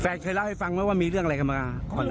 เคยเล่าให้ฟังไหมว่ามีเรื่องอะไรกันมาก่อน